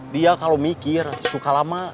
dia kalau mikir suka lama